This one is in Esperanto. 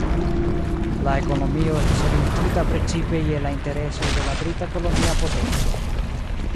La ekonomio estis orientita precipe je la interesoj de la brita kolonia potenco.